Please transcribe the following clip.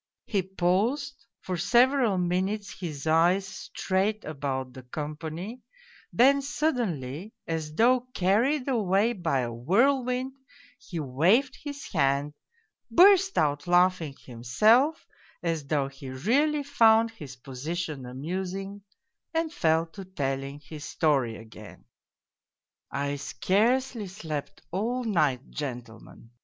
He paused, for several minutes his eyes strayed about the company, then suddenly, as though carried away by a whirlwind, he waved his hand, burst out laughing himself, as though he really found his position amusing, and fell to telling his story again. " I scarcely slept all night, gentlemen.